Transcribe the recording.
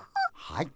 はい。